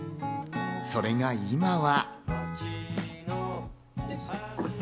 それが今は。